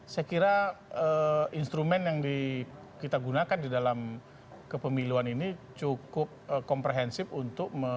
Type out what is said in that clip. saya kira instrumen yang kita gunakan di dalam kepemiluan ini cukup komprehensif untuk